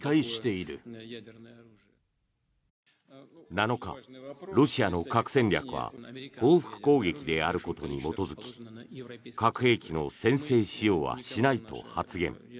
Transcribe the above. ７日、ロシアの核戦略は報復攻撃であることに基づき核兵器の先制使用はしないと発言。